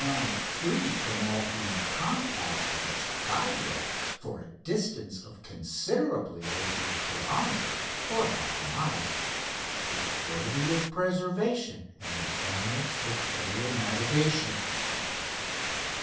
9" free from all human contact with its guide rope for a distance of considerably over a kilometre (half mile), is worthy of preservation in the annals of aerial navigation.